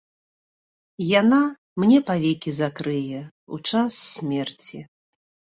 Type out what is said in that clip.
Яна мне павекі закрые ў час смерці.